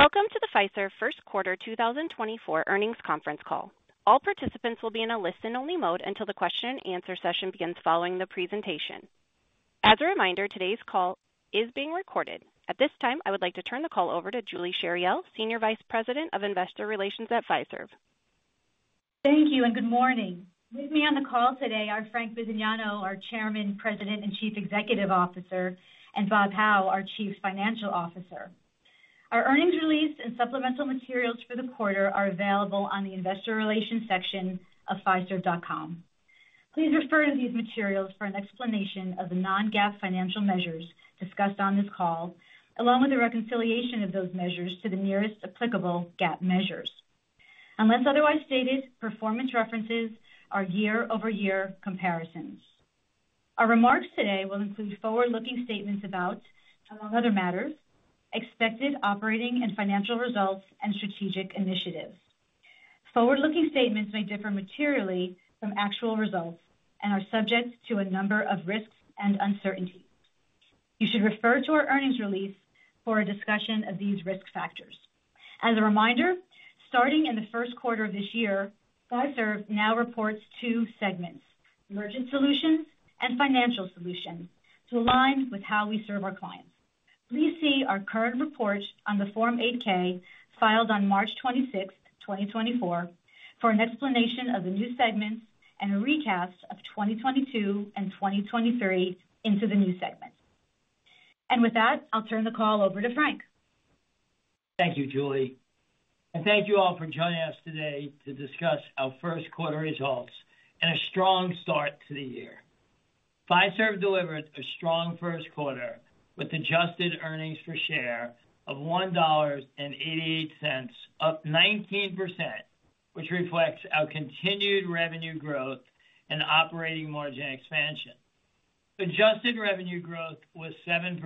Welcome to the Fiserv first quarter 2024 earnings conference call. All participants will be in a listen-only mode until the question-and-answer session begins following the presentation. As a reminder, today's call is being recorded. At this time, I would like to turn the call over to Julie Chariell, Senior Vice President of Investor Relations at Fiserv. Thank you, and good morning. With me on the call today are Frank Bisignano, our Chairman, President, and Chief Executive Officer, and Bob Hau, our Chief Financial Officer. Our earnings release and supplemental materials for the quarter are available on the investor relations section of Fiserv.com. Please refer to these materials for an explanation of the non-GAAP financial measures discussed on this call, along with the reconciliation of those measures to the nearest applicable GAAP measures. Unless otherwise stated, performance references are year-over-year comparisons. Our remarks today will include forward-looking statements about, among other matters, expected operating and financial results and strategic initiatives. Forward-looking statements may differ materially from actual results and are subject to a number of risks and uncertainties. You should refer to our earnings release for a discussion of these risk factors. As a reminder, starting in the first quarter of this year, Fiserv now reports two segments, Merchant Solutions and Financial Solutions, to align with how we serve our clients. Please see our current report on the Form 8-K, filed on March 26th, 2024, for an explanation of the new segments and a recast of 2022 and 2023 into the new segments. And with that, I'll turn the call over to Frank. Thank you, Julie, and thank you all for joining us today to discuss our first quarter results and a strong start to the year. Fiserv delivered a strong first quarter with adjusted earnings per share of $1.88, up 19%, which reflects our continued revenue growth and operating margin expansion. Adjusted revenue growth was 7%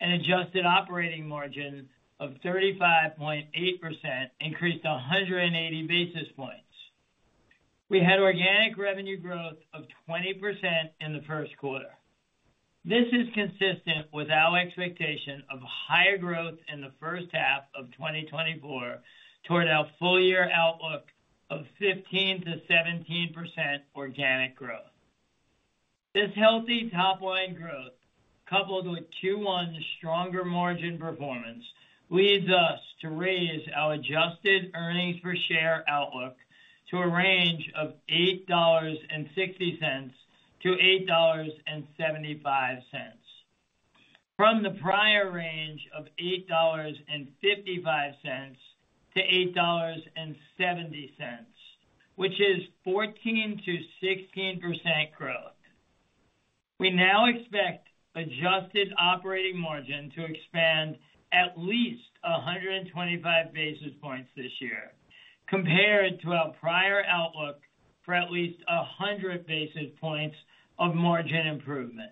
and adjusted operating margin of 35.8% increased 180 basis points. We had organic revenue growth of 20% in the first quarter. This is consistent with our expectation of higher growth in the first half of 2024 toward our full-year outlook of 15%-17% organic growth. This healthy top-line growth, coupled with Q1's stronger margin performance, leads us to raise our adjusted earnings per share outlook to a range of $8.60-$8.75, from the prior range of $8.55-$8.70, which is 14%-16% growth. We now expect adjusted operating margin to expand at least 125 basis points this year, compared to our prior outlook for at least 100 basis points of margin improvement.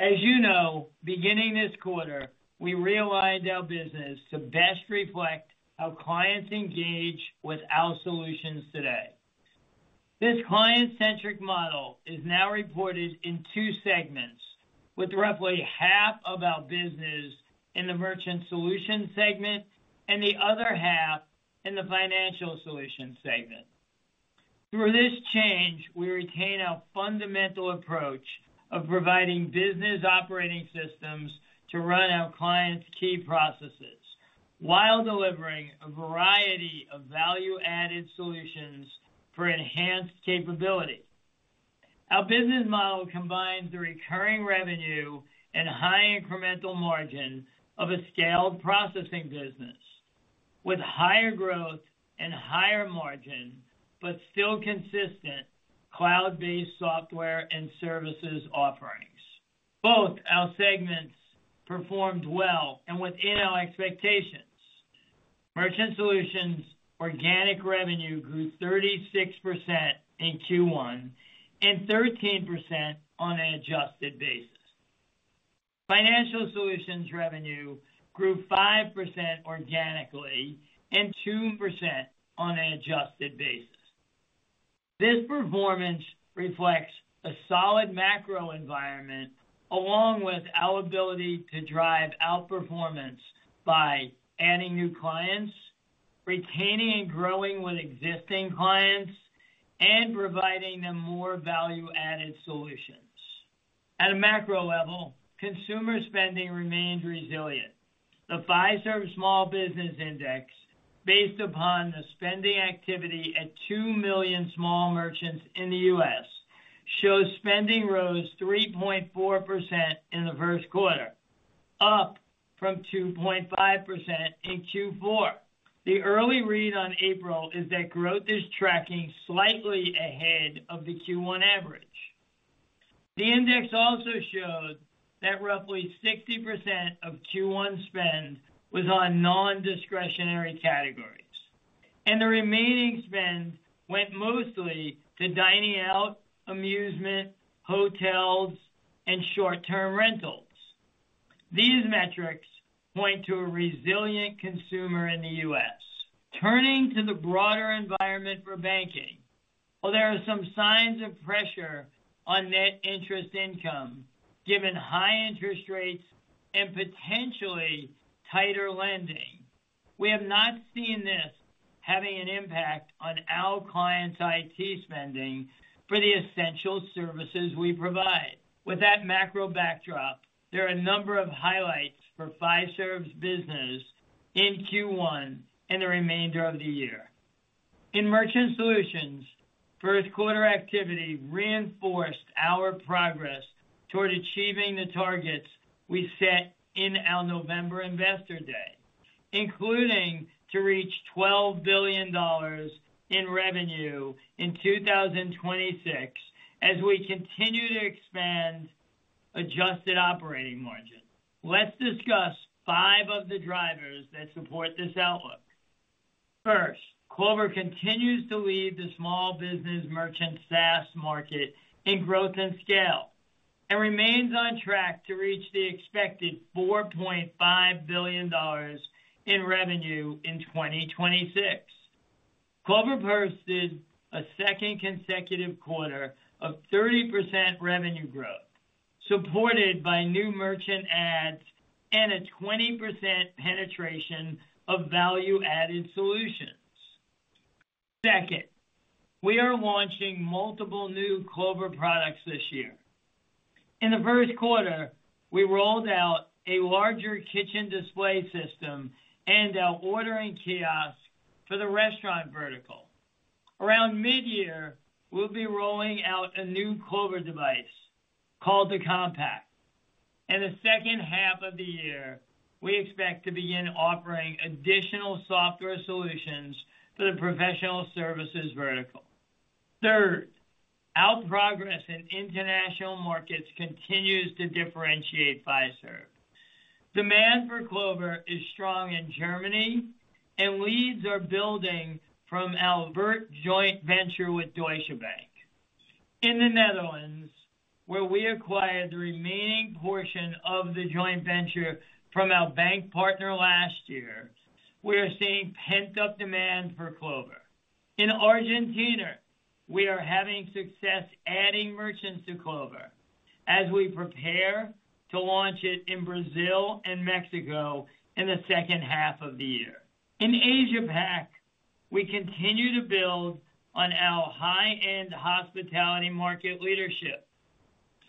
As you know, beginning this quarter, we realized our business to best reflect how clients engage with our solutions today. This client-centric model is now reported in two segments, with roughly half of our business in the Merchant Solutions segment and the other half in the Financial Solutions segment. Through this change, we retain our fundamental approach of providing business operating systems to run our clients' key processes while delivering a variety of value-added solutions for enhanced capability. Our business model combines the recurring revenue and high incremental margin of a scaled processing business with higher growth and higher margin, but still consistent cloud-based software and services offerings. Both our segments performed well and within our expectations. Merchant Solutions organic revenue grew 36% in Q1 and 13% on an adjusted basis. Financial Solutions revenue grew 5% organically and 2% on an adjusted basis. This performance reflects a solid macro environment, along with our ability to drive outperformance by adding new clients, retaining and growing with existing clients, and providing them more value-added solutions. At a macro level, consumer spending remained resilient. The Fiserv Small Business Index, based upon the spending activity at 2 million small merchants in the U.S., shows spending rose 3.4% in the first quarter, up from 2.5% in Q4. The early read on April is that growth is tracking slightly ahead of the Q1 average. The index also shows that roughly 60% of Q1 spend was on nondiscretionary categories, and the remaining spend went mostly to dining out, amusement, hotels, and short-term rentals. These metrics point to a resilient consumer in the U.S.... Turning to the broader environment for banking. While there are some signs of pressure on net interest income, given high interest rates and potentially tighter lending, we have not seen this having an impact on our clients' IT spending for the essential services we provide. With that macro backdrop, there are a number of highlights for Fiserv's business in Q1 and the remainder of the year. In Merchant Solutions, first quarter activity reinforced our progress toward achieving the targets we set in our November Investor Day, including to reach $12 billion in revenue in 2026 as we continue to expand adjusted operating margin. Let's discuss five of the drivers that support this outlook. First, Clover continues to lead the small business merchant SaaS market in growth and scale, and remains on track to reach the expected $4.5 billion in revenue in 2026. Clover posted a second consecutive quarter of 30% revenue growth, supported by new merchant adds and a 20% penetration of value-added solutions. Second, we are launching multiple new Clover products this year. In the first quarter, we rolled out a larger kitchen display system and our ordering kiosk for the restaurant vertical. Around mid-year, we'll be rolling out a new Clover device called the Compact. In the second half of the year, we expect to begin offering additional software solutions to the professional services vertical. Third, our progress in international markets continues to differentiate Fiserv. Demand for Clover is strong in Germany, and leads are building from our Vert joint venture with Deutsche Bank. In the Netherlands, where we acquired the remaining portion of the joint venture from our bank partner last year, we are seeing pent-up demand for Clover. In Argentina, we are having success adding merchants to Clover as we prepare to launch it in Brazil and Mexico in the second half of the year. In Asia Pac, we continue to build on our high-end hospitality market leadership,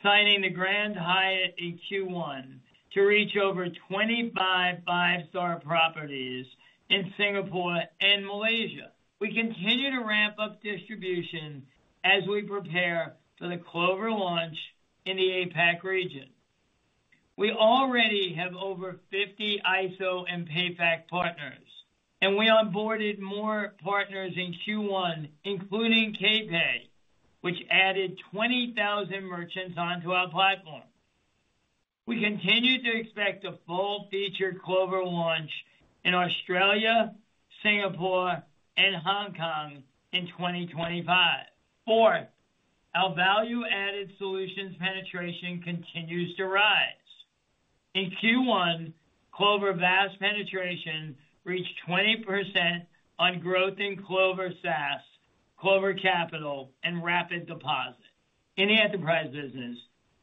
signing the Grand Hyatt in Q1 to reach over 25 five-star properties in Singapore and Malaysia. We continue to ramp up distribution as we prepare for the Clover launch in the APAC region. We already have over 50 ISO and PayFac partners, and we onboarded more partners in Q1, including KPay, which added 20,000 merchants onto our platform. We continue to expect a full-featured Clover launch in Australia, Singapore, and Hong Kong in 2025. Fourth, our value-added solutions penetration continues to rise. In Q1, Clover VAS penetration reached 20% on growth in Clover SaaS, Clover Capital, and Rapid Deposit. In the enterprise business,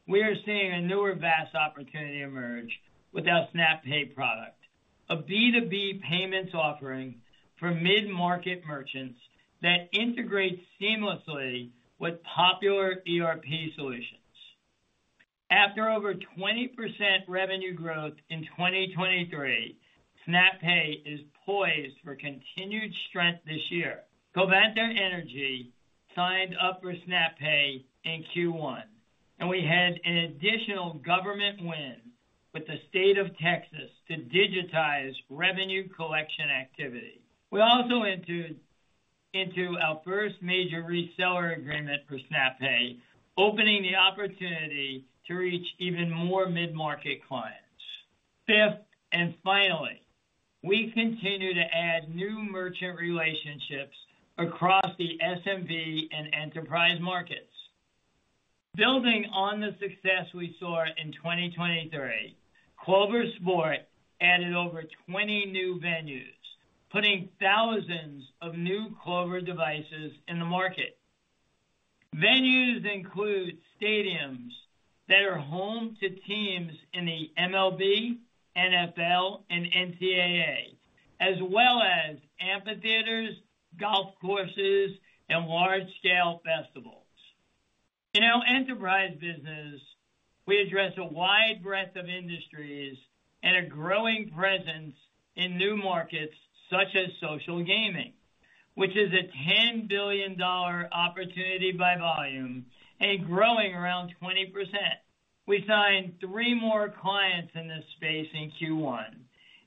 we are seeing a newer VAS opportunity emerge with our SnapPay product, a B2B payments offering for mid-market merchants that integrate seamlessly with popular ERP solutions. After over 20% revenue growth in 2023, SnapPay is poised for continued strength this year. Covanta Energy signed up for SnapPay in Q1, and we had an additional government win with the state of Texas to digitize revenue collection activity. We also entered into our first major reseller agreement for SnapPay, opening the opportunity to reach even more mid-market clients. Fifth, and finally, we continue to add new merchant relationships across the SMB and enterprise markets. Building on the success we saw in 2023, Clover Sport added over 20 new venues, putting thousands of new Clover devices in the market. Venues include stadiums that are home to teams in the MLB, NFL, and NCAA, as well as amphitheaters, golf courses, and large-scale festivals. In our enterprise business, we address a wide breadth of industries and a growing presence in new markets, such as social gaming, which is a $10 billion opportunity by volume and growing around 20%. We signed three more clients in this space in Q1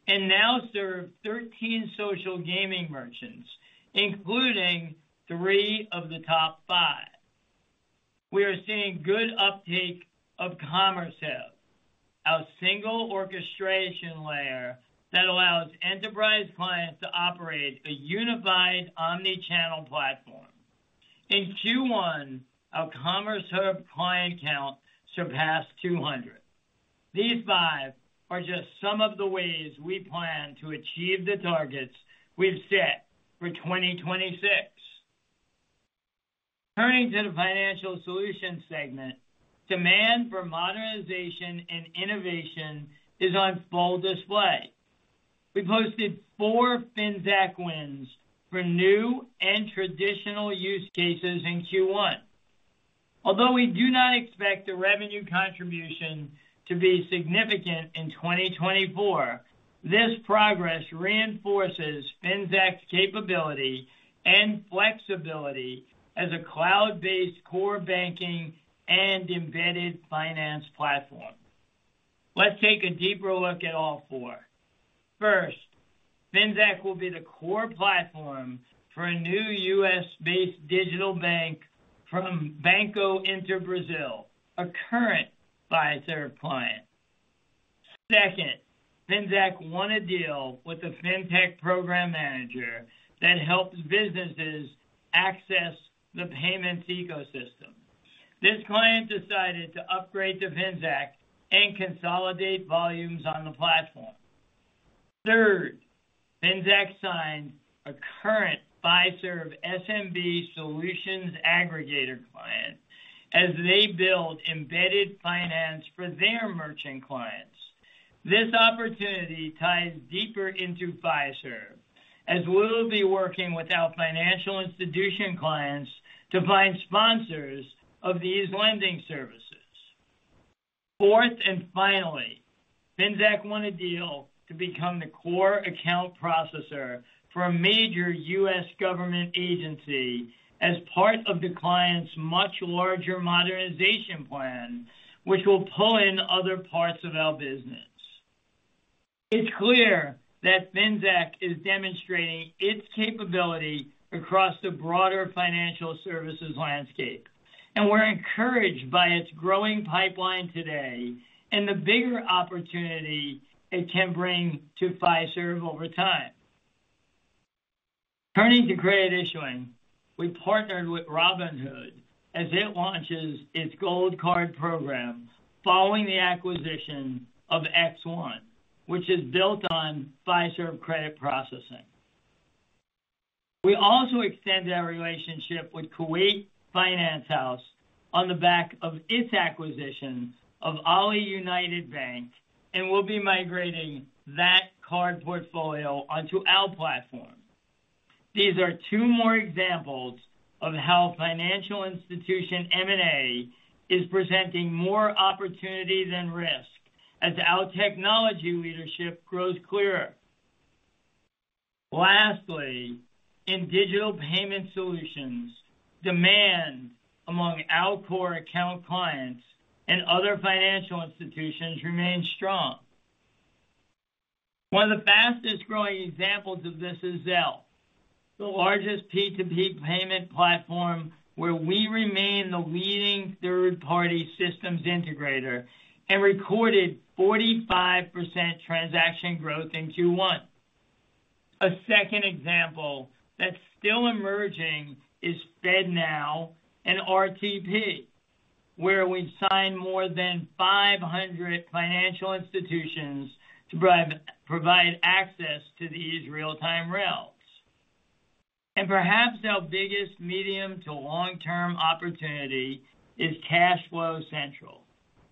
and now serve 13 social gaming merchants, including three of the top five. We are seeing good uptake of Commerce Hub, our single orchestration layer that allows enterprise clients to operate a unified omni-channel platform. In Q1, our Commerce Hub client count surpassed 200. These five are just some of the ways we plan to achieve the targets we've set for 2026. Turning to the financial solutions segment, demand for modernization and innovation is on full display. We posted four Finxact wins for new and traditional use cases in Q1. Although we do not expect the revenue contribution to be significant in 2024, this progress reinforces Finxact capability and flexibility as a cloud-based core banking and embedded finance platform. Let's take a deeper look at all four. First, Finxact will be the core platform for a new U.S.-based digital bank from Banco Inter Brazil, a current Fiserv client. Second, Finxact won a deal with the Fintech program manager that helps businesses access the payments ecosystem. This client decided to upgrade to Finxact and consolidate volumes on the platform. Third, Finxact signed a current Fiserv SMB Solutions aggregator client as they build embedded finance for their merchant clients. This opportunity ties deeper into Fiserv, as we'll be working with our financial institution clients to find sponsors of these lending services. Fourth, and finally, Finxact won a deal to become the core account processor for a major U.S. government agency as part of the client's much larger modernization plan, which will pull in other parts of our business. It's clear that Finxact is demonstrating its capability across the broader financial services landscape, and we're encouraged by its growing pipeline today and the bigger opportunity it can bring to Fiserv over time. Turning to credit issuing, we partnered with Robinhood as it launches its Gold Card program following the acquisition of X1, which is built on Fiserv credit processing. We also extended our relationship with Kuwait Finance House on the back of its acquisition of Ahli United Bank, and we'll be migrating that card portfolio onto our platform. These are two more examples of how financial institution M&A is presenting more opportunity than risk as our technology leadership grows clearer. Lastly, in digital payment solutions, demand among our core account clients and other financial institutions remains strong. One of the fastest-growing examples of this is Zelle, the largest P2P payment platform, where we remain the leading third-party systems integrator and recorded 45% transaction growth in Q1. A second example that's still emerging is FedNow and RTP, where we've signed more than 500 financial institutions to provide access to these real-time rails. And perhaps our biggest medium- to long-term opportunity is CashFlow Central,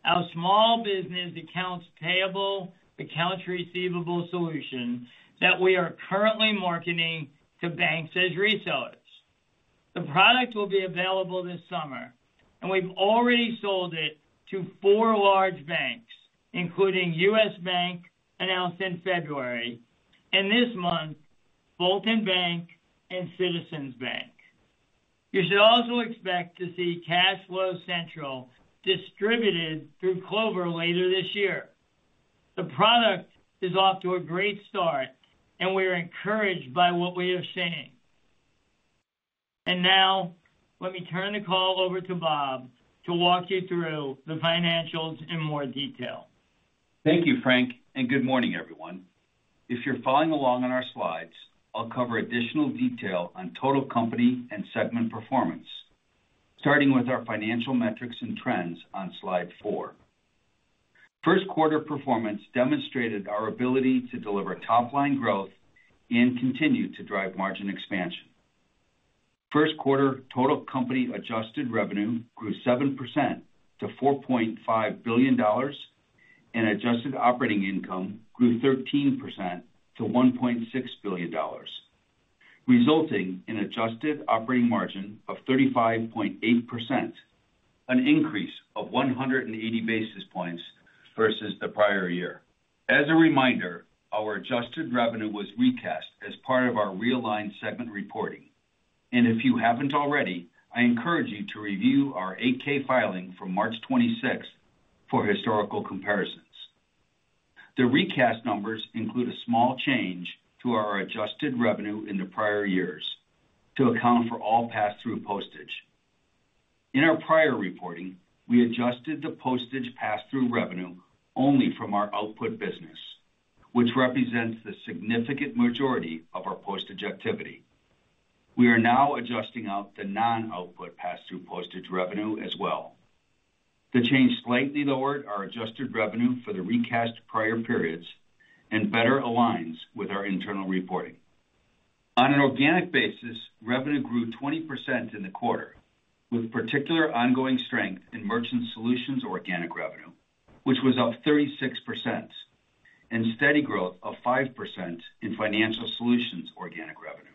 our small business accounts payable, accounts receivable solution that we are currently marketing to banks and retailers. The product will be available this summer, and we've already sold it to four large banks, including U.S. Bank, announced in February, and this month, Fulton Bank and Citizens Bank. You should also expect to see CashFlow Central distributed through Clover later this year. The product is off to a great start, and we are encouraged by what we are seeing. And now, let me turn the call over to Bob to walk you through the financials in more detail. Thank you, Frank, and good morning, everyone. If you're following along on our slides, I'll cover additional detail on total company and segment performance, starting with our financial metrics and trends on slide four. First quarter performance demonstrated our ability to deliver top-line growth and continue to drive margin expansion. First quarter total company adjusted revenue grew 7% to $4.5 billion, and adjusted operating income grew 13% to $1.6 billion, resulting in adjusted operating margin of 35.8%, an increase of 180 basis points versus the prior year. As a reminder, our adjusted revenue was recast as part of our realigned segment reporting. If you haven't already, I encourage you to review our 8-K filing from March 26th for historical comparisons. The recast numbers include a small change to our adjusted revenue in the prior years to account for all pass-through postage. In our prior reporting, we adjusted the postage pass-through revenue only from our output business, which represents the significant majority of our postage activity. We are now adjusting out the non-output pass-through postage revenue as well. The change slightly lowered our adjusted revenue for the recast prior periods and better aligns with our internal reporting. On an organic basis, revenue grew 20% in the quarter, with particular ongoing strength in Merchant Solutions organic revenue, which was up 36%, and steady growth of 5% in Financial Solutions organic revenue.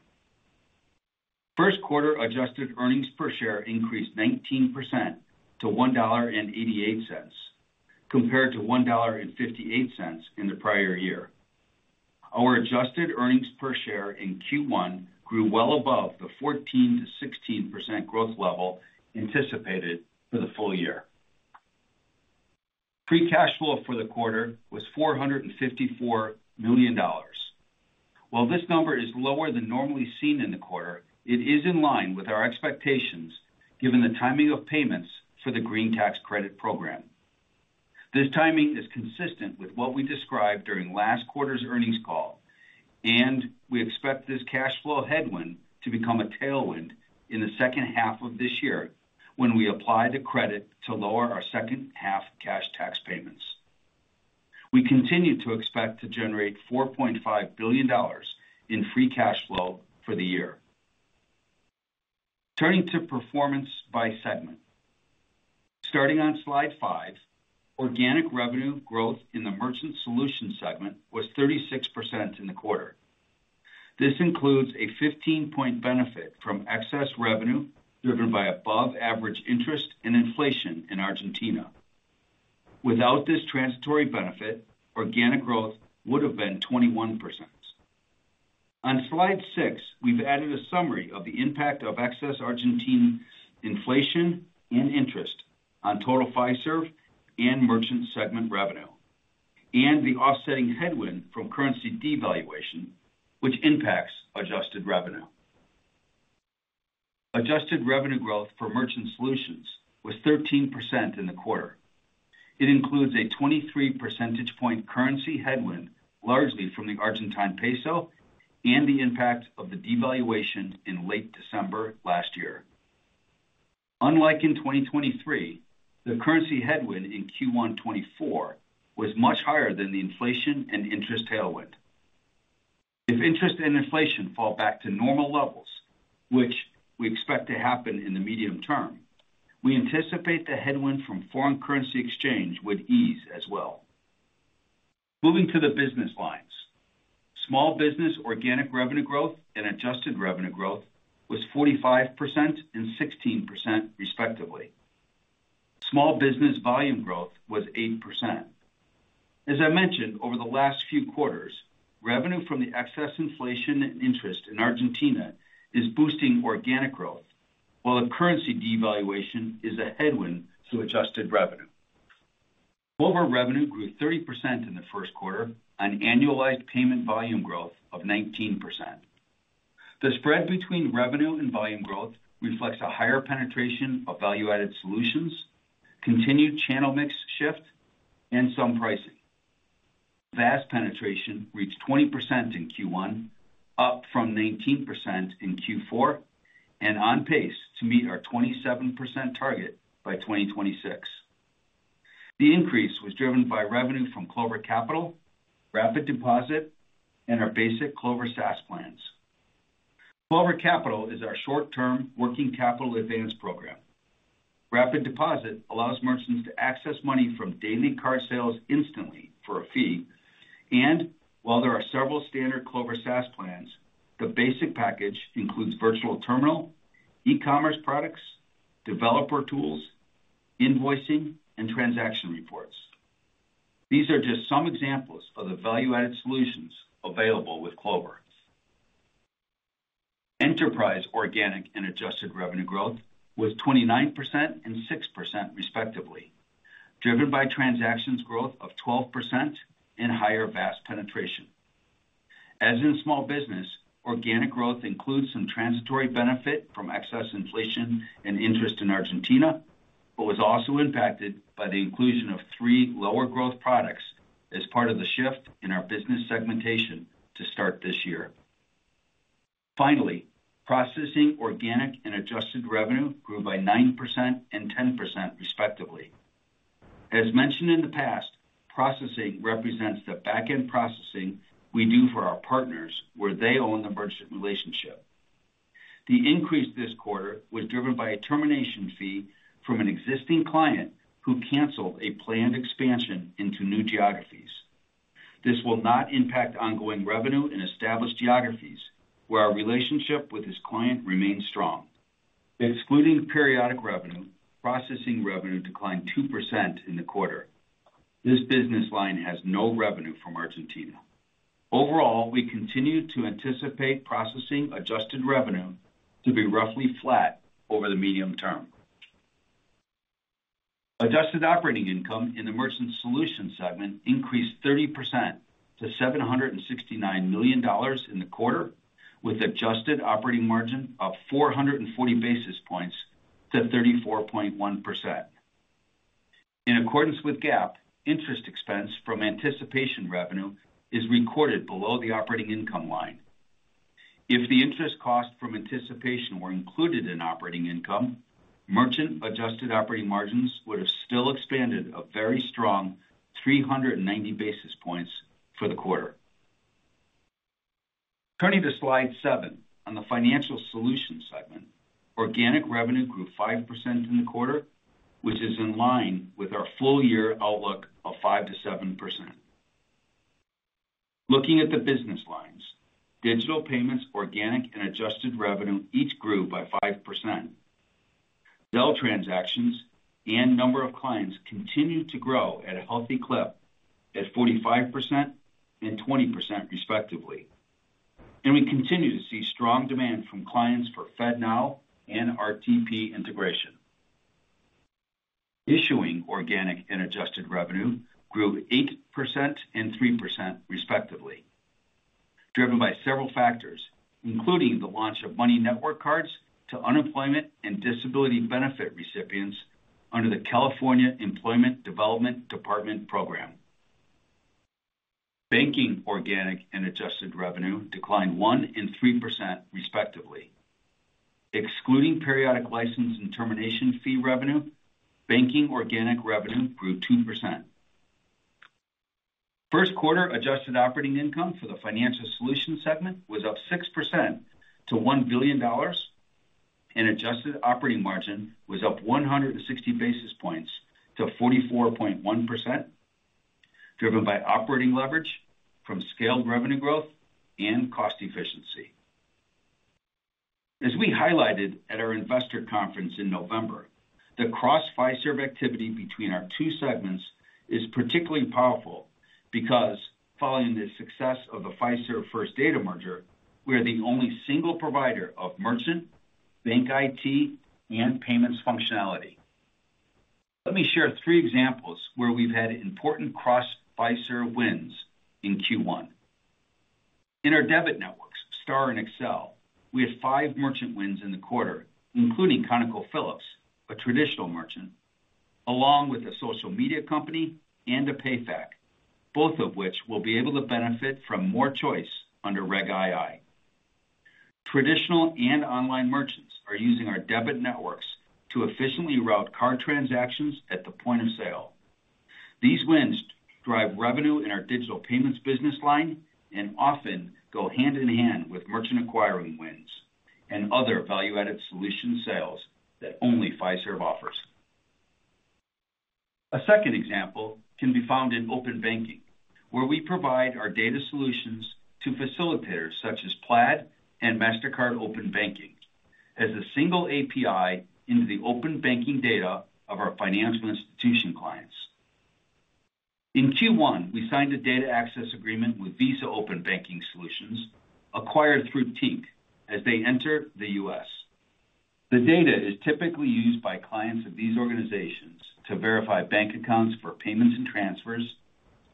First quarter adjusted earnings per share increased 19% to $1.88, compared to $1.58 in the prior year. Our adjusted earnings per share in Q1 grew well above the 14%-16% growth level anticipated for the full year. Free cash flow for the quarter was $454 million. While this number is lower than normally seen in the quarter, it is in line with our expectations given the timing of payments for the green tax credit program. This timing is consistent with what we described during last quarter's earnings call, and we expect this cash flow headwind to become a tailwind in the second half of this year when we apply the credit to lower our second half cash tax payments. We continue to expect to generate $4.5 billion in free cash flow for the year. Turning to performance by segment. Starting on slide 5, organic revenue growth in the Merchant Solutions segment was 36% in the quarter. This includes a 15-point benefit from excess revenue driven by above-average interest and inflation in Argentina. Without this transitory benefit, organic growth would have been 21%. On Slide 6, we've added a summary of the impact of excess Argentine inflation and interest on total Fiserv and merchant segment revenue, and the offsetting headwind from currency devaluation, which impacts adjusted revenue. Adjusted revenue growth for Merchant Solutions was 13% in the quarter. It includes a 23 percentage point currency headwind, largely from the Argentine peso and the impact of the devaluation in late December last year. Unlike in 2023, the currency headwind in Q1 2024 was much higher than the inflation and interest tailwind. If interest and inflation fall back to normal levels, which we expect to happen in the medium term, we anticipate the headwind from foreign currency exchange would ease as well. Moving to the business lines. Small business organic revenue growth and adjusted revenue growth was 45% and 16%, respectively. Small business volume growth was 8%. As I mentioned, over the last few quarters, revenue from the excess inflation and interest in Argentina is boosting organic growth, while the currency devaluation is a headwind to adjusted revenue. Clover revenue grew 30% in the first quarter on annualized payment volume growth of 19%. The spread between revenue and volume growth reflects a higher penetration of value-added solutions, continued channel mix shift, and some pricing. VAS penetration reached 20% in Q1, up from 19% in Q4, and on pace to meet our 27% target by 2026. The increase was driven by revenue from Clover Capital, Rapid Deposit, and our basic Clover SaaS plans. Clover Capital is our short-term working capital advance program. Rapid Deposit allows merchants to access money from daily card sales instantly for a fee, and while there are several standard Clover SaaS plans, the basic package includes virtual terminal, e-commerce products, developer tools, invoicing, and transaction reports. These are just some examples of the value-added solutions available with Clover. Enterprise organic and adjusted revenue growth was 29% and 6%, respectively, driven by transactions growth of 12% and higher VAS penetration. As in small business, organic growth includes some transitory benefit from excess inflation and interest in Argentina, but was also impacted by the inclusion of three lower growth products as part of the shift in our business segmentation to start this year. Finally, processing organic and adjusted revenue grew by 9% and 10%, respectively. As mentioned in the past, processing represents the back-end processing we do for our partners, where they own the merchant relationship. The increase this quarter was driven by a termination fee from an existing client who canceled a planned expansion into new geographies. This will not impact ongoing revenue in established geographies, where our relationship with this client remains strong. Excluding the periodic revenue, processing revenue declined 2% in the quarter. This business line has no revenue from Argentina. Overall, we continue to anticipate processing adjusted revenue to be roughly flat over the medium term. Adjusted operating income in the Merchant Solutions segment increased 30% to $769 million in the quarter, with adjusted operating margin of 440 basis points to 34.1%. In accordance with GAAP, interest expense from anticipation revenue is recorded below the operating income line. If the interest cost from anticipation were included in operating income, merchant adjusted operating margins would have still expanded a very strong 390 basis points for the quarter. Turning to Slide 7 on the Financial Solutions segment, organic revenue grew 5% in the quarter, which is in line with our full-year outlook of 5%-7%. Looking at the business lines, digital payments, organic and adjusted revenue each grew by 5%. Zelle transactions and number of clients continued to grow at a healthy clip at 45% and 20% respectively, and we continue to see strong demand from clients for FedNow and RTP integration. Issuing organic and adjusted revenue grew 8% and 3%, respectively, driven by several factors, including the launch of Money Network cards to unemployment and disability benefit recipients under the California Employment Development Department program. Banking organic and adjusted revenue declined 1% and 3%, respectively. Excluding periodic license and termination fee revenue, banking organic revenue grew 2%. First quarter adjusted operating income for the financial solutions segment was up 6% to $1 billion, and adjusted operating margin was up 160 basis points to 44.1%, driven by operating leverage from scaled revenue growth and cost efficiency. As we highlighted at our investor conference in November, the cross Fiserv activity between our two segments is particularly powerful because following the success of the Fiserv First Data merger, we are the only single provider of merchant, bank IT, and payments functionality. Let me share three examples where we've had important cross Fiserv wins in Q1. In our debit networks, STAR and Accel, we had five merchant wins in the quarter, including ConocoPhillips, a traditional merchant, along with a social media company and a PayFac, both of which will be able to benefit from more choice under Reg II. Traditional and online merchants are using our debit networks to efficiently route card transactions at the point of sale. These wins drive revenue in our digital payments business line and often go hand in hand with merchant acquiring wins and other value-added solution sales that only Fiserv offers. A second example can be found in open banking, where we provide our data solutions to facilitators such as Plaid and Mastercard Open Banking as a single API into the open banking data of our financial institution clients. In Q1, we signed a data access agreement with Visa Open Banking Solutions, acquired through Tink as they entered the U.S. The data is typically used by clients of these organizations to verify bank accounts for payments and transfers,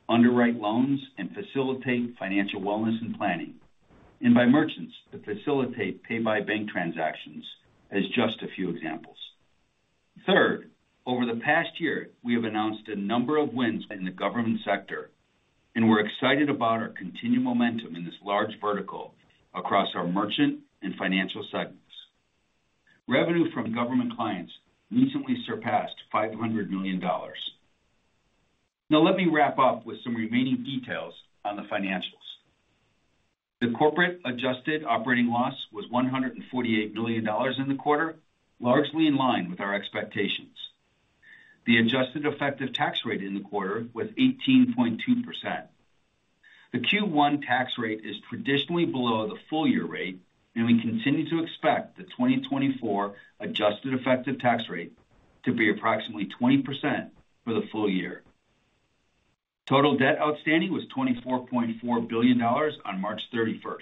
underwrite loans, and facilitate financial wellness and planning, and by merchants to facilitate pay by bank transactions, as just a few examples. Third, over the past year, we have announced a number of wins in the government sector, and we're excited about our continued momentum in this large vertical across our merchant and financial segments. Revenue from government clients recently surpassed $500 million. Now, let me wrap up with some remaining details on the financials. The corporate adjusted operating loss was $148 million in the quarter, largely in line with our expectations. The adjusted effective tax rate in the quarter was 18.2%. The Q1 tax rate is traditionally below the full-year rate, and we continue to expect the 2024 adjusted effective tax rate to be approximately 20% for the full year. Total debt outstanding was $24.4 billion on March 31.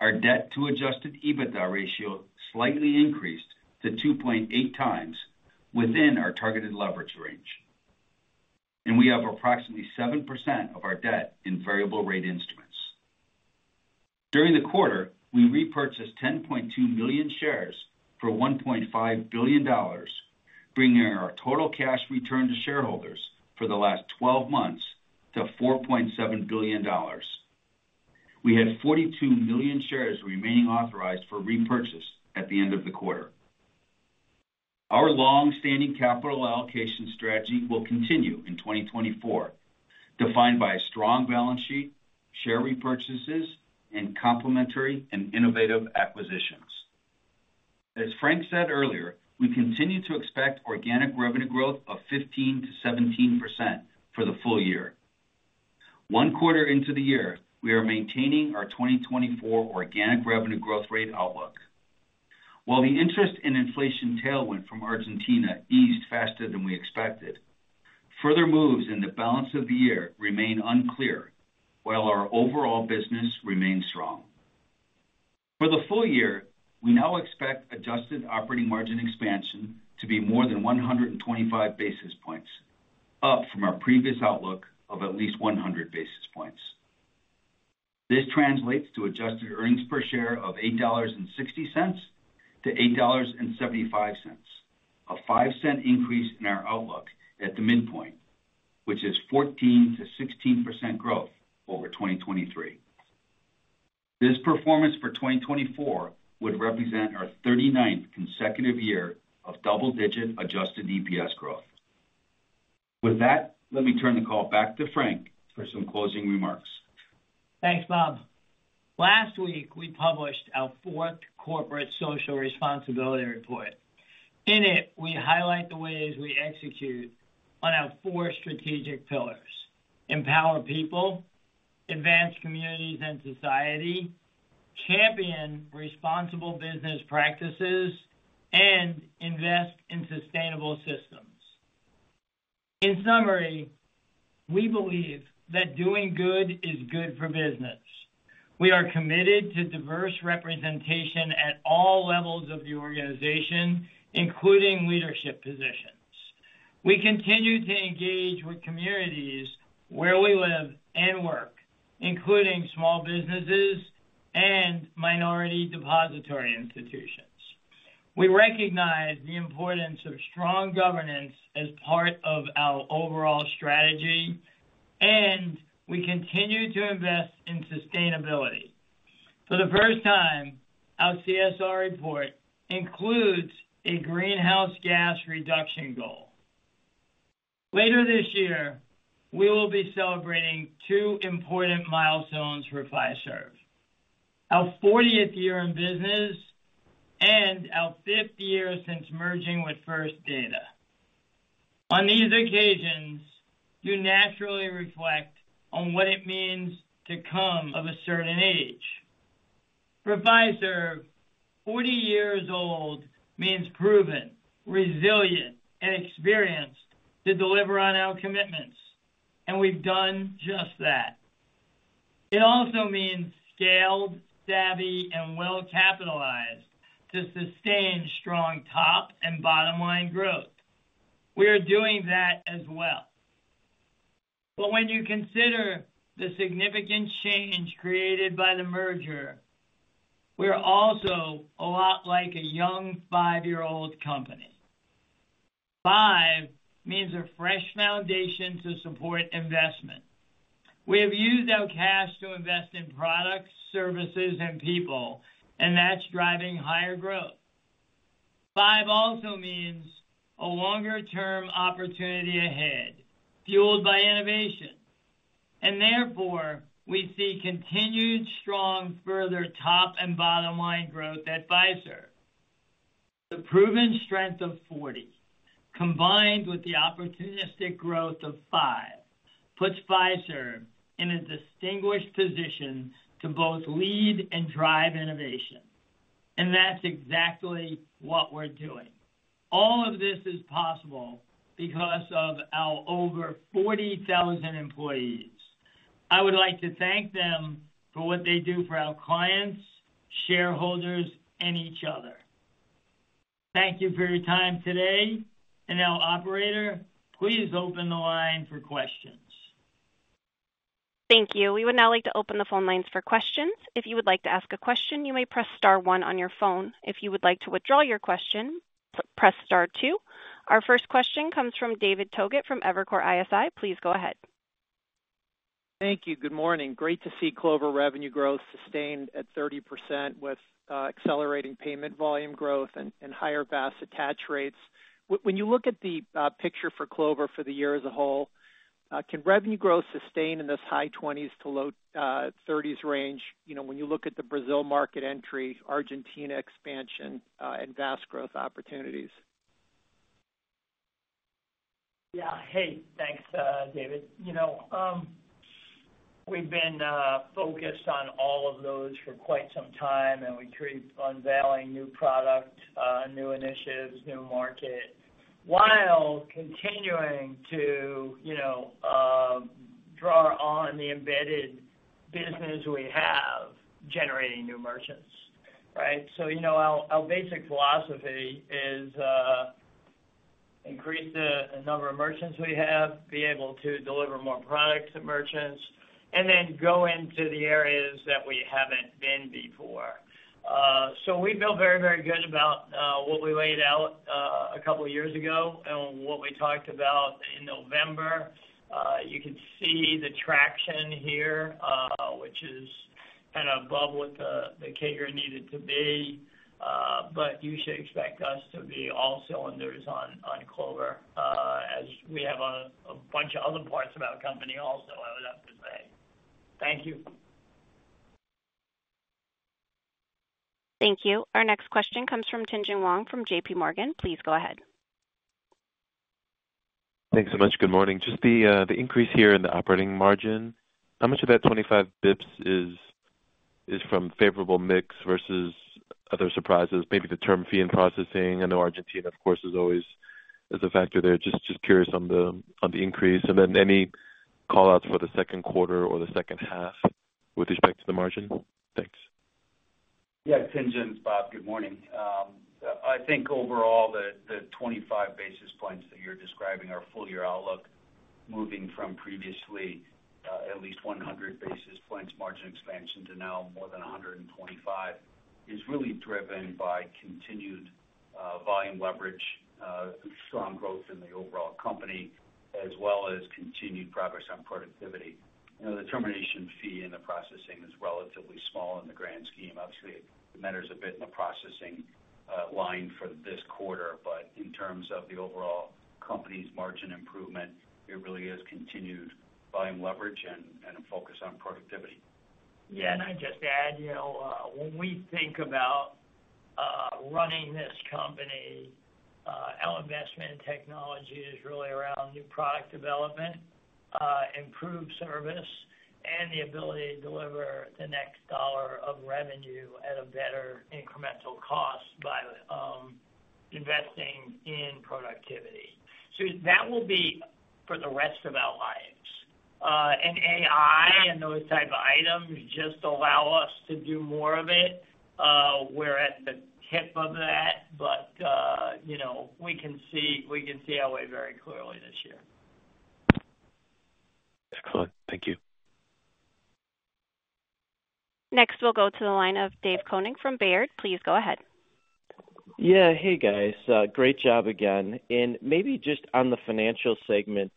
Our debt to Adjusted EBITDA ratio slightly increased to 2.8 times within our targeted leverage range, and we have approximately 7% of our debt in variable rate instruments. During the quarter, we repurchased 10.2 million shares for $1.5 billion, bringing our total cash return to shareholders for the last twelve months to $4.7 billion. We had 42 million shares remaining authorized for repurchase at the end of the quarter. Our long-standing capital allocation strategy will continue in 2024, defined by a strong balance sheet, share repurchases, and complementary and innovative acquisitions. As Frank said earlier, we continue to expect organic revenue growth of 15%-17% for the full year. One quarter into the year, we are maintaining our 2024 organic revenue growth rate outlook. While the interest and inflation tailwind from Argentina eased faster than we expected, further moves in the balance of the year remain unclear, while our overall business remains strong. For the full year, we now expect adjusted operating margin expansion to be more than 125 basis points, up from our previous outlook of at least 100 basis points. This translates to adjusted earnings per share of $8.60-$8.75, a $0.05 increase in our outlook at the midpoint, which is 14%-16% growth over 2023. This performance for 2024 would represent our 39th consecutive year of double-digit adjusted EPS growth. With that, let me turn the call back to Frank for some closing remarks. Thanks, Bob. Last week, we published our fourth corporate social responsibility report. In it, we highlight the ways we execute on our four strategic pillars: empower people, advance communities and society, champion responsible business practices, and invest in sustainable systems. In summary, we believe that doing good is good for business. We are committed to diverse representation at all levels of the organization, including leadership positions. We continue to engage with communities where we live and work, including small businesses and minority depository institutions. We recognize the importance of strong governance as part of our overall strategy, and we continue to invest in sustainability. For the first time, our CSR report includes a greenhouse gas reduction goal. Later this year, we will be celebrating two important milestones for Fiserv, our fortieth year in business and our fifth year since merging with First Data. On these occasions, you naturally reflect on what it means to come of a certain age. For Fiserv, 40 years old means proven, resilient, and experienced to deliver on our commitments, and we've done just that. It also means scaled, savvy, and well-capitalized to sustain strong top and bottom-line growth. We are doing that as well. But when you consider the significant change created by the merger, we're also a lot like a young five-year-old company. Five means a fresh foundation to support investment. We have used our cash to invest in products, services, and people, and that's driving higher growth. 5 also means a longer-term opportunity ahead, fueled by innovation, and therefore we see continued, strong, further top and bottom-line growth at Fiserv. The proven strength of 40, combined with the opportunistic growth of 5, puts Fiserv in a distinguished position to both lead and drive innovation, and that's exactly what we're doing. All of this is possible because of our over 40,000 employees. I would like to thank them for what they do for our clients, shareholders, and each other. Thank you for your time today, and now, operator, please open the line for questions. Thank you. We would now like to open the phone lines for questions. If you would like to ask a question, you may press star one on your phone. If you would like to withdraw your question, press star two. Our first question comes from David Togut from Evercore ISI. Please go ahead. Thank you. Good morning. Great to see Clover revenue growth sustained at 30% with accelerating payment volume growth and higher VAS attach rates. When you look at the picture for Clover for the year as a whole, can revenue growth sustain in this high 20s to low 30s range? You know, when you look at the Brazil market entry, Argentina expansion, and VAS growth opportunities. Yeah. Hey, thanks, David. You know, we've been focused on all of those for quite some time, and we keep unveiling new product, new initiatives, new market, while continuing to, you know, draw on the embedded business we have, generating new merchants, right? So, you know, our basic philosophy is, increase the number of merchants we have, be able to deliver more products to merchants, and then go into the areas that we haven't been before. So we feel very, very good about what we laid out a couple of years ago and what we talked about in November. You can see the traction here, which is kind of above what the CAGR needed to be, but you should expect us to be all cylinders on Clover, as we have a bunch of other parts of our company also. I would have to say. Thank you. Thank you. Our next question comes from Tien-Tsin Huang from J.P. Morgan. Please go ahead. Thanks so much. Good morning. Just the increase here in the operating margin, how much of that 25 basis points is from favorable mix versus other surprises? Maybe the term fee and processing. I know Argentina, of course, is always as a factor there. Just curious on the increase, and then any call-outs for the second quarter or the second half with respect to the margin? Thanks. Yeah, Tien-Tsin, Bob, good morning. I think overall, the 25 basis points that you're describing our full year outlook, moving from previously, at least 100 basis points margin expansion to now more than 125, is really driven by continued volume leverage, strong growth in the overall company, as well as continued progress on productivity. You know, the termination fee in the processing is relatively small in the grand scheme. Obviously, it matters a bit in the processing line for this quarter, but in terms of the overall company's margin improvement, it really is continued volume leverage and a focus on productivity. Yeah, and I'd just add, you know, when we think about running this company, our investment in technology is really around new product development, improved service, and the ability to deliver the next dollar of revenue at a better incremental cost by investing in productivity. So that will be for the rest of our lives. And AI and those type of items just allow us to do more of it. We're at the tip of that, but, you know, we can see, we can see our way very clearly this year. Excellent. Thank you. Next, we'll go to the line of Dave Koning from Baird. Please go ahead. Yeah. Hey, guys, great job again. Maybe just on the financial segment,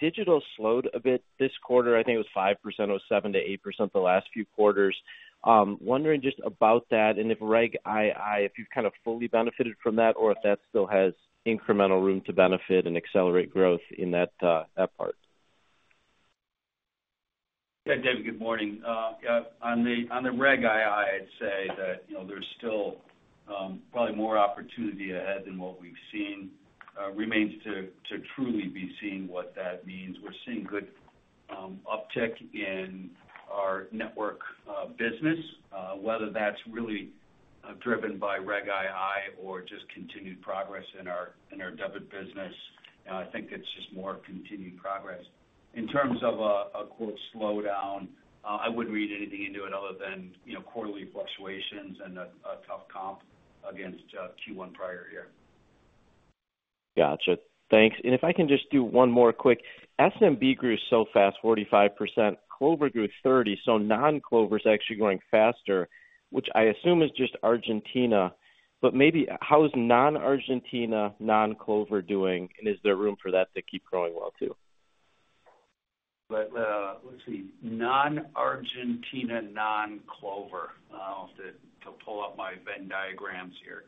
digital slowed a bit this quarter. I think it was 5% or 7%-8% the last few quarters. Wondering just about that and if Reg II, if you've kind of fully benefited from that or if that still has incremental room to benefit and accelerate growth in that, that part. Yeah, Dave, good morning. Yeah, on the, on the Reg II, I'd say that, you know, there's still, probably more opportunity ahead than what we've seen, remains to, to truly be seeing what that means. We're seeing good, uptick in our network, business, whether that's really, driven by Reg II or just continued progress in our, in our debit business. I think it's just more continued progress. In terms of a, a quote, "slowdown," I wouldn't read anything into it other than, you know, quarterly fluctuations and a, a tough comp against, Q1 prior year. Gotcha. Thanks. And if I can just do one more quick. SMB grew so fast, 45%. Clover grew 30, so non-Clover is actually growing faster, which I assume is just Argentina. But maybe how is non-Argentina, non-Clover doing, and is there room for that to keep growing well, too? But let's see, non-Argentina, non-Clover. I'll have to pull up my Venn diagrams here.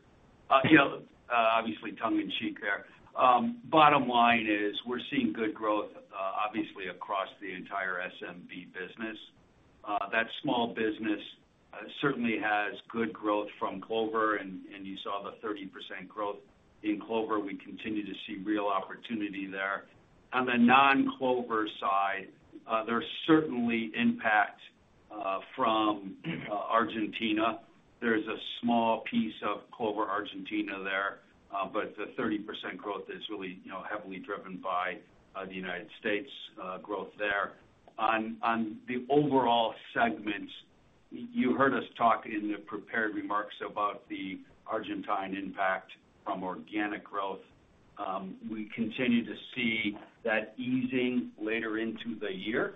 You know, obviously, tongue in cheek there. Bottom line is, we're seeing good growth, obviously, across the entire SMB business. That small business certainly has good growth from Clover, and you saw the 30% growth in Clover. We continue to see real opportunity there. On the non-Clover side, there's certainly impact from Argentina. There's a small piece of Clover Argentina there, but the 30% growth is really, you know, heavily driven by the United States growth there. On the overall segments, you heard us talk in the prepared remarks about the Argentine impact from organic growth. We continue to see that easing later into the year.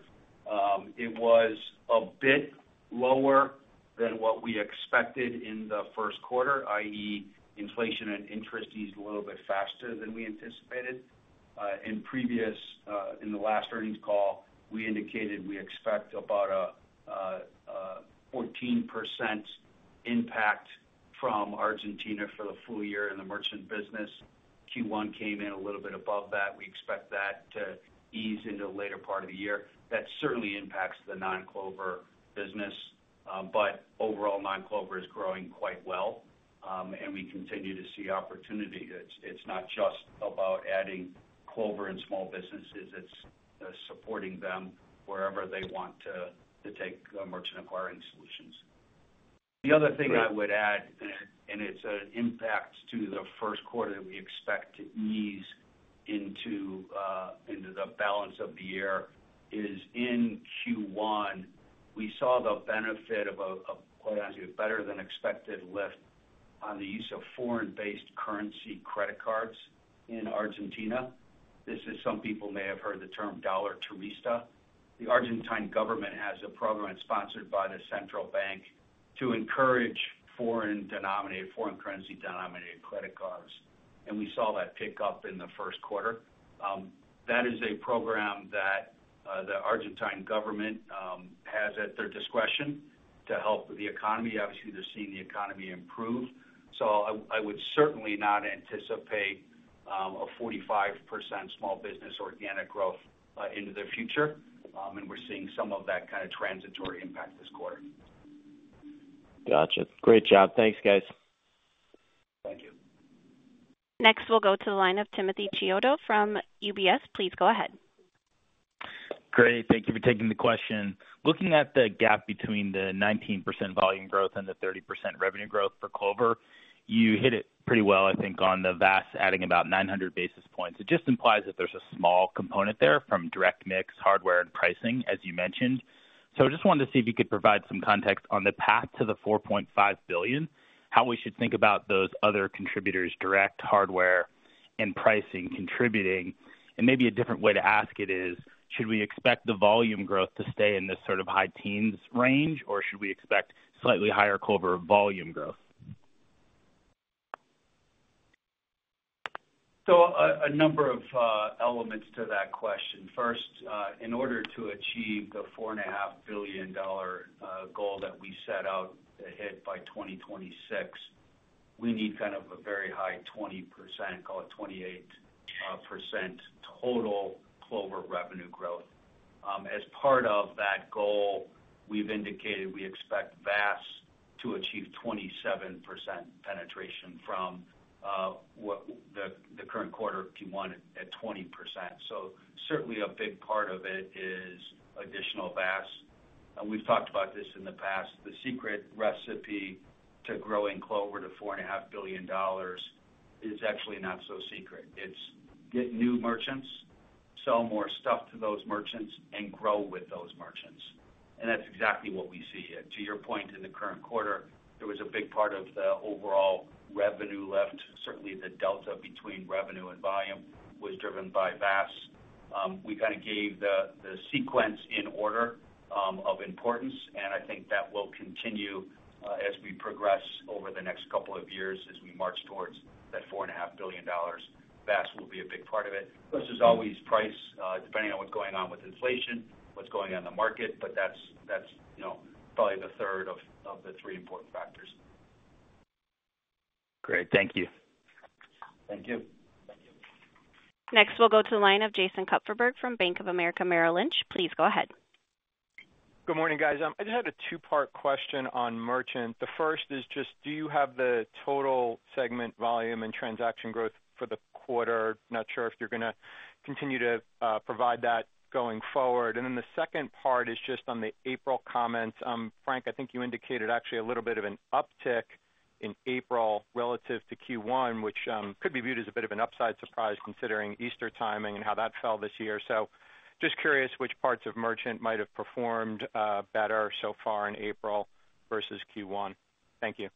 It was a bit lower than what we expected in the first quarter, i.e., inflation and interest eased a little bit faster than we anticipated. In the last earnings call, we indicated we expect about a 14% impact from Argentina for the full year in the merchant business. Q1 came in a little bit above that. We expect that to ease into the later part of the year. That certainly impacts the non-Clover business, but overall, non-Clover is growing quite well, and we continue to see opportunity. It's not just about adding Clover and small businesses, it's supporting them wherever they want to take merchant acquiring solutions. The other thing I would add, and it's an impact to the first quarter that we expect to ease into the balance of the year, is in Q1, we saw the benefit of a quote, "as a better than expected lift" on the use of foreign-based currency credit cards in Argentina. Some people may have heard the term dólar turista. The Argentine government has a program sponsored by the central bank to encourage foreign-denominated, foreign currency-denominated credit cards, and we saw that pick up in the first quarter. That is a program that the Argentine government has at their discretion to help the economy. Obviously, they're seeing the economy improve. So I would certainly not anticipate a 45% small business organic growth into the future, and we're seeing some of that kind of transitory impact this quarter. Gotcha. Great job. Thanks, guys. Thank you. Next, we'll go to the line of Timothy Chiodo from UBS. Please go ahead. Great. Thank you for taking the question. Looking at the gap between the 19% volume growth and the 30% revenue growth for Clover, you hit it pretty well, I think, on the VAS, adding about 900 basis points. It just implies that there's a small component there from direct mix, hardware, and pricing, as you mentioned. So I just wanted to see if you could provide some context on the path to the $4.5 billion, how we should think about those other contributors, direct hardware and pricing contributing. And maybe a different way to ask it is: Should we expect the volume growth to stay in this sort of high teens range, or should we expect slightly higher Clover volume growth? So a number of elements to that question. First, in order to achieve the $4.5 billion goal that we set out to hit by 2026, we need kind of a very high 20%, call it 28%, total Clover revenue growth. As part of that goal, we've indicated we expect VAS to achieve 27% penetration from the current quarter Q1 at 20%. So certainly a big part of it is additional VAS. And we've talked about this in the past. The secret recipe to growing Clover to $4.5 billion is actually not so secret. It's get new merchants, sell more stuff to those merchants, and grow with those merchants. And that's exactly what we see here. To your point, in the current quarter, there was a big part of the overall revenue lift. Certainly, the delta between revenue and volume was driven by VAS. We kind of gave the sequence in order of importance, and I think that will continue as we progress over the next couple of years as we march towards that $4.5 billion. VAS will be a big part of it. Plus, there's always price depending on what's going on with inflation, what's going on in the market, but that's, you know, probably the third of the three important factors. Great. Thank you. Thank you. Next, we'll go to the line of Jason Kupferberg from Bank of America Merrill Lynch. Please go ahead. Good morning, guys. I just had a two-part question on merchant. The first is just, do you have the total segment volume and transaction growth for the quarter? Not sure if you're going to continue to provide that going forward. And then the second part is just on the April comments. Frank, I think you indicated actually a little bit of an uptick in April relative to Q1, which could be viewed as a bit of an upside surprise, considering Easter timing and how that fell this year. So just curious which parts of merchant might have performed better so far in April versus Q1. Thank you.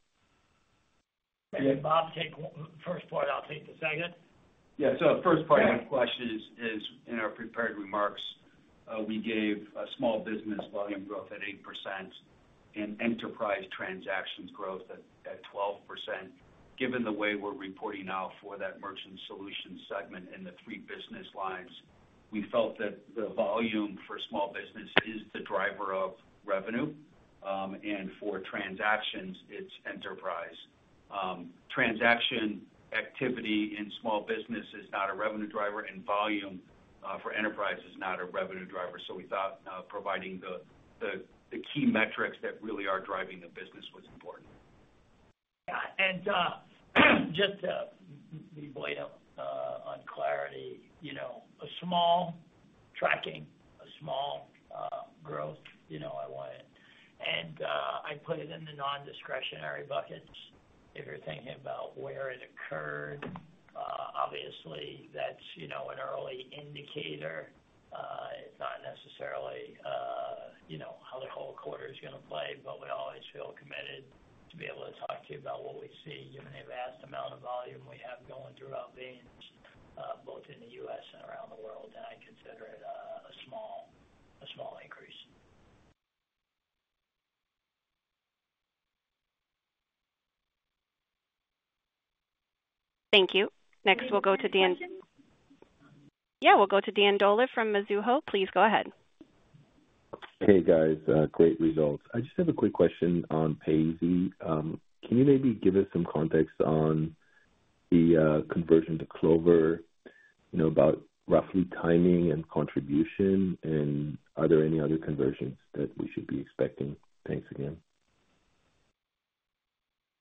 Bob, take one, the first part. I'll take the second. Yeah, so the first part of the question is, is in our prepared remarks, we gave a small business volume growth at 8% and enterprise transactions growth at 12%. Given the way we're reporting out for that Merchant Solutions segment in the three business lines, we felt that the volume for small business is the driver of revenue, and for transactions, it's enterprise. Transaction activity in small business is not a revenue driver, and volume for enterprise is not a revenue driver. So we thought providing the key metrics that really are driving the business was important. Yeah, and just to be blunt, on clarity, you know, a small uptick, a small growth, you know, I want it. And I put it in the nondiscretionary buckets. If you're thinking about where it occurred, obviously, that's, you know, an early indicator. It's not necessarily, you know, how the whole quarter is going to play, but we always feel committed to be able to talk to you about what we see, given the vast amount of volume we have going throughout lanes, both in the U.S. and around the world. And I consider it a small increase. Thank you. Next, we'll go to Dan- Any more questions? Yeah, we'll go to Dan Dolev from Mizuho. Please go ahead. Hey, guys, great results. I just have a quick question on Payeezy. Can you maybe give us some context on the conversion to Clover, you know, about roughly timing and contribution, and are there any other conversions that we should be expecting? Thanks again.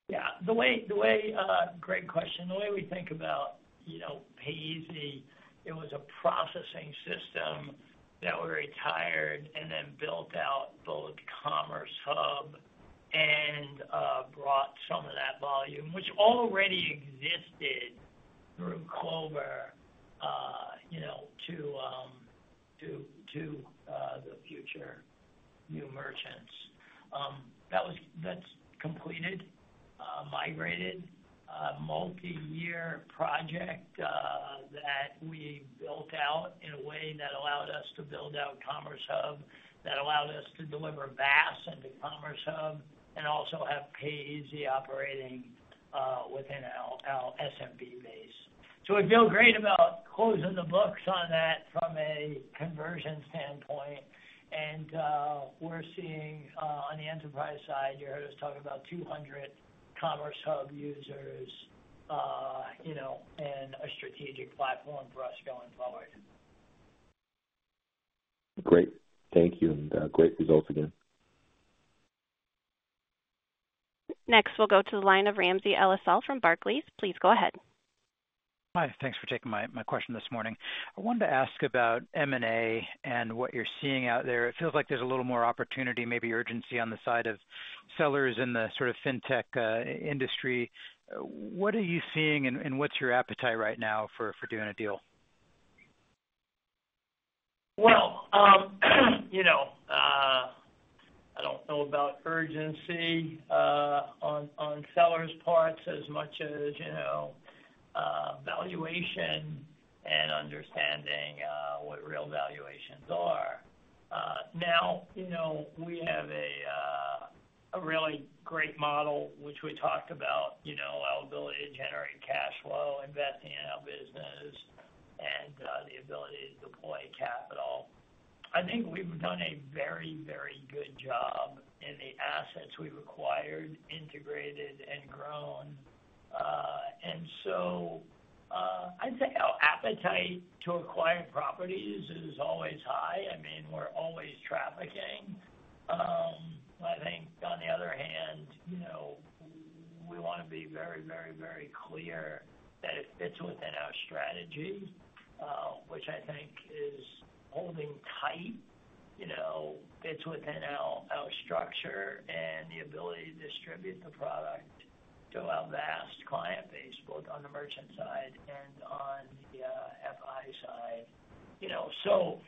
Yeah, the way, great question. The way we think about, you know, Payeezy, it was a processing system that we retired and then built out both Commerce Hub and, brought some of that volume, which already existed through Clover, you know, to the future new merchants. That was-- that's completed, migrated, a multi-year project, that we built out in a way that allowed us to build out Commerce Hub, that allowed us to deliver VAS into Commerce Hub and also have Payeezy operating within our SMB base. So we feel great about closing the books on that from a conversion standpoint. And, we're seeing on the enterprise side, you heard us talk about 200 Commerce Hub users, you know, and a strategic platform for us going forward. Great. Thank you, and great results again. Next, we'll go to the line of Ramsey El-Assal from Barclays. Please go ahead. Hi, thanks for taking my question this morning. I wanted to ask about M&A and what you're seeing out there. It feels like there's a little more opportunity, maybe urgency on the side of sellers in the sort of Fintech industry. What are you seeing and what's your appetite right now for doing a deal? Well, you know, I don't know about urgency, on sellers' parts as much as, you know, valuation and understanding, what real valuations are. Now, you know, we have a a really great model, which we talked about, you know, our ability to generate cash flow, investing in our business, and the ability to deploy capital. I think we've done a very, very good job in the assets we've acquired, integrated, and grown. And so, I'd say our appetite to acquire properties is always high. I mean, we're always trafficking. I think on the other hand, you know, we want to be very, very, very clear that it fits within our strategy, which I think is holding tight, you know, fits within our, our structure and the ability to distribute the product to our vast client base, both on the merchant side and on the, FI side. You know, so,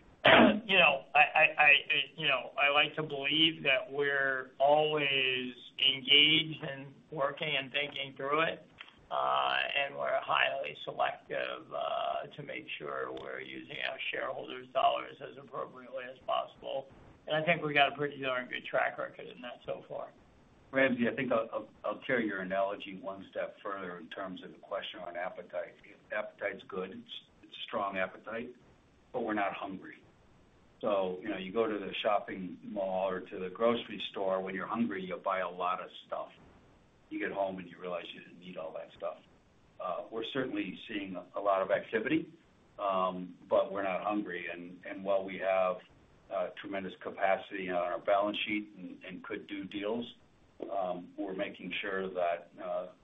you know, I like to believe that we're always engaged and working and thinking through it, and we're highly selective, to make sure we're using our shareholders' dollars as appropriately as possible. And I think we got a pretty darn good track record in that so far. Ramsey, I think I'll carry your analogy one step further in terms of the question on appetite. Appetite's good. It's a strong appetite, but we're not hungry. So you know, you go to the shopping mall or to the grocery store when you're hungry, you'll buy a lot of stuff. You get home, and you realize you didn't need all that stuff. We're certainly seeing a lot of activity, but we're not hungry. And while we have tremendous capacity on our balance sheet and could do deals, we're making sure that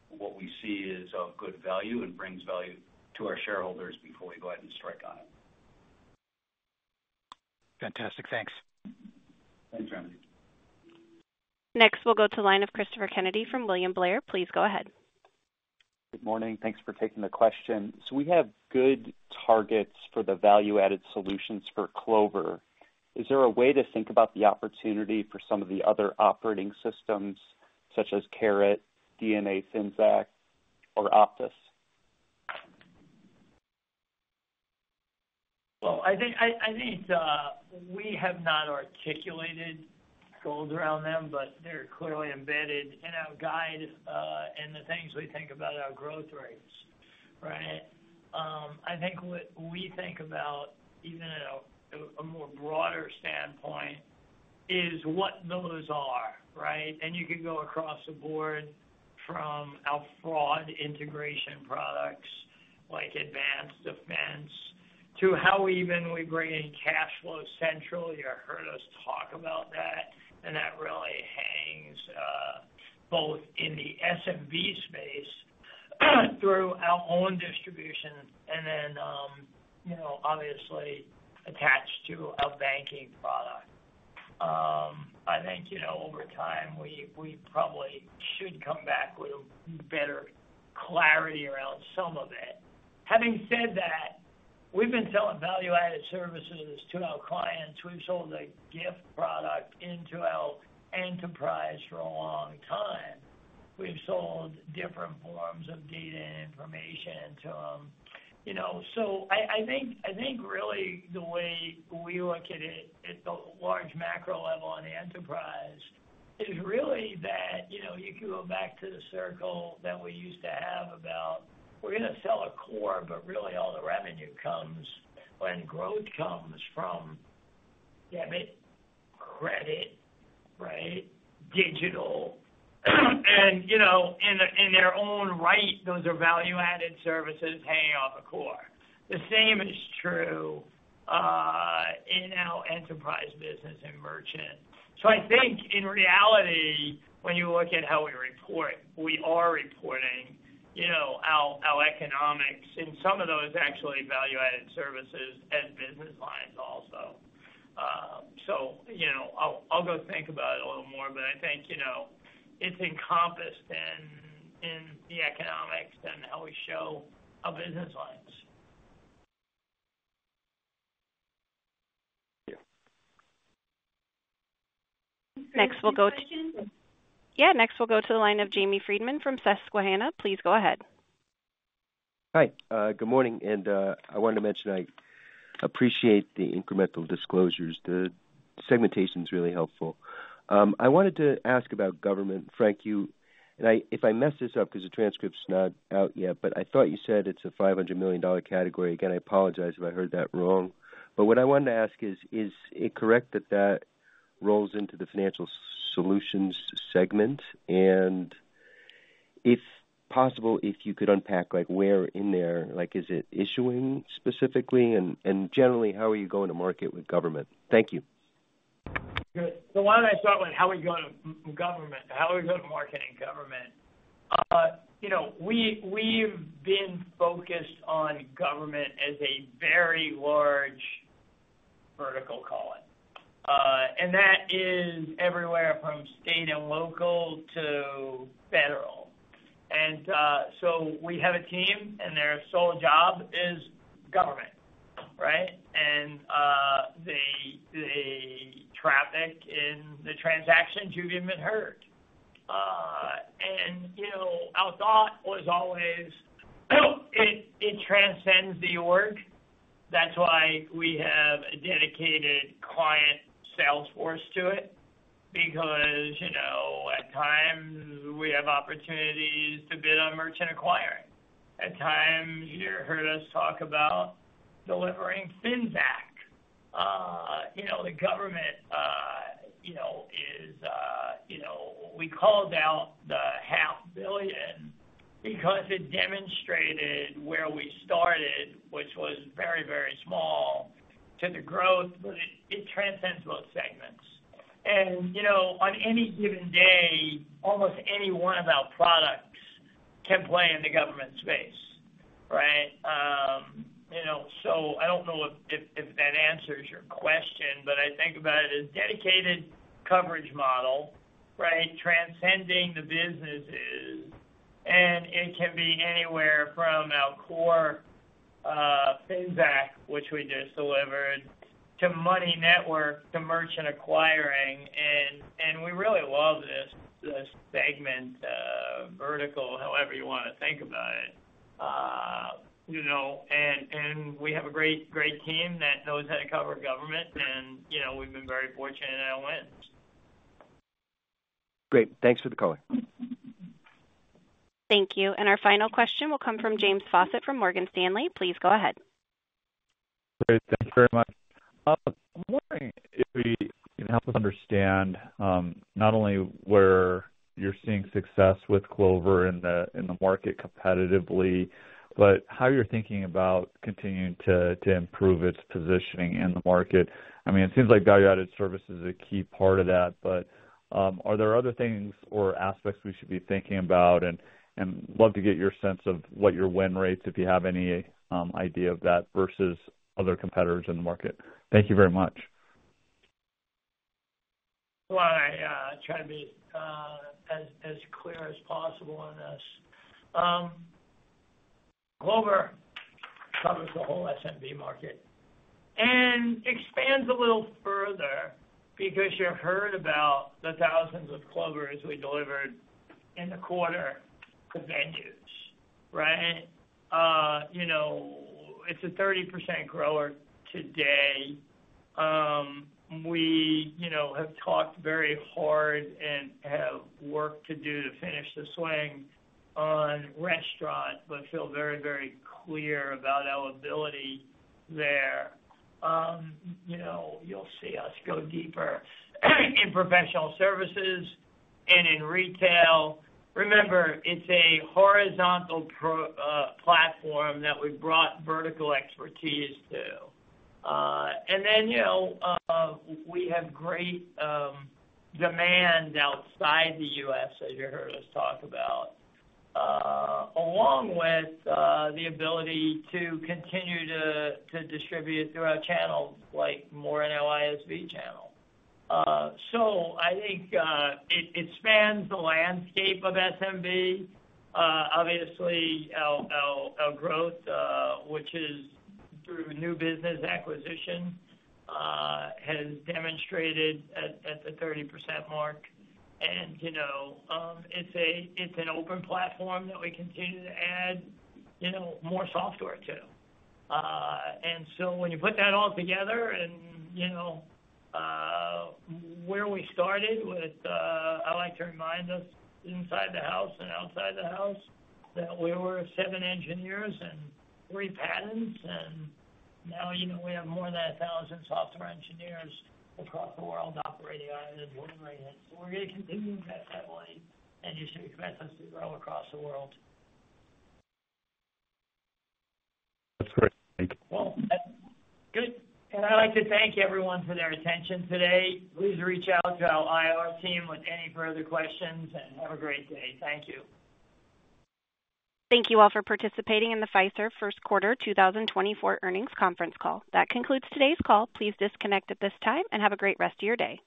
what we see is of good value and brings value to our shareholders before we go ahead and strike on it. Fantastic. Thanks. Thanks, Ramsey. Next, we'll go to the line of Christopher Kennedy from William Blair. Please go ahead. Good morning. Thanks for taking the question. We have good targets for the value-added solutions for Clover. Is there a way to think about the opportunity for some of the other operating systems such as Carat, DNA, Finxact or Optis? Well, I think we have not articulated goals around them, but they're clearly embedded in our guide, and the things we think about our growth rates, right? I think what we think about, even at a more broader standpoint, is what those are, right? And you could go across the board from our fraud integration products, like Advanced Defense, to how even we bring in CashFlow Central. You heard us talk about that, and that really hangs both in the SMB space, through our own distribution and then, you know, obviously attached to a banking product. I think, you know, over time, we probably should come back with better clarity around some of it. Having said that, we've been selling value-added services to our clients. We've sold a gift product into our enterprise for a long time. We've sold different forms of data and information to them. You know, so I think really the way we look at it, at the large macro level on enterprise, is really that, you know, you can go back to the circle that we used to have about, we're going to sell a core, but really all the revenue comes when growth comes from debit, credit, right, digital. And, you know, in their own right, those are value-added services hanging off a core. The same is true in our enterprise business and merchant. So I think in reality, when you look at how we report, we are reporting, you know, our economics in some of those actually value-added services as business lines also. So, you know, I'll go think about it a little more, but I think, you know, it's encompassed in the economics than how we show our business lines. Yeah. Next, we'll go to the line of Jamie Friedman from Susquehanna. Please go ahead. Hi, good morning, and I wanted to mention I appreciate the incremental disclosures. The segmentation is really helpful. I wanted to ask about government. Frank, you and I if I mess this up because the transcript's not out yet, but I thought you said it's a $500 million category. Again, I apologize if I heard that wrong. But what I wanted to ask is, is it correct that that rolls into the Financial Solutions segment? And if possible, if you could unpack, like, where in there, like, is it issuing specifically? And generally, how are you going to market with government? Thank you. Good. So why don't I start with how are we going to government, how are we going to market in government? You know, we've been focused on government as a very large vertical column, and that is everywhere from state and local to federal. So we have a team, and their sole job is government, right? And the traffic in the transactions you've even heard. You know, our thought was always, it transcends the org. That's why we have a dedicated client sales force to it, because, you know, at times we have opportunities to bid on merchant acquiring. At times, you heard us talk about delivering Finxact. You know, the government, you know, is, you know, we called out the $500 million because it demonstrated where we started, which was very, very small, to the growth, but it transcends both segments. And, you know, on any given day, almost any one of our products can play in the government space, right? You know, so I don't know if that answers your question, but I think about it as dedicated coverage model, right? Transcending the businesses, and it can be anywhere from our core, Finxact, which we just delivered, to Money Network, to merchant acquiring, and we really love this segment, vertical, however you wanna think about it. You know, and we have a great team that knows how to cover government, and, you know, we've been very fortunate in our wins. Great. Thanks for the color. Thank you. And our final question will come from James Faucette from Morgan Stanley. Please go ahead. Great. Thank you very much. I'm wondering if we can help us understand not only where you're seeing success with Clover in the market competitively, but how you're thinking about continuing to improve its positioning in the market. I mean, it seems like value-added service is a key part of that, but are there other things or aspects we should be thinking about? And love to get your sense of what your win rates, if you have any idea of that, versus other competitors in the market. Thank you very much. Well, I try to be as clear as possible on this. Clover covers the whole SMB market and expands a little further because you heard about the thousands of Clovers we delivered in the quarter to venues, right? You know, it's a 30% grower today. We, you know, have talked very hard and have work to do to finish the swing on restaurant, but feel very, very clear about our ability there. You know, you'll see us go deeper in professional services and in retail. Remember, it's a horizontal platform that we brought vertical expertise to. And then, you know, we have great demand outside the U.S., as you heard us talk about, along with the ability to continue to distribute through our channels, like more in our ISV channel. So I think it spans the landscape of SMB. Obviously, our growth, which is through new business acquisition, has demonstrated at the 30% mark. And you know, it's an open platform that we continue to add, you know, more software to. And so when you put that all together and you know where we started with, I like to remind us inside the house and outside the house, that we were seven engineers and three patents, and now you know we have more than 1,000 software engineers across the world operating on it and delivering it. So we're going to continue to invest that way, and you should expect us to grow across the world. That's great. Thank you. Well, good. I'd like to thank everyone for their attention today. Please reach out to our IR team with any further questions, and have a great day. Thank you. Thank you all for participating in the Fiserv first quarter 2024 earnings conference call. That concludes today's call. Please disconnect at this time and have a great rest of your day.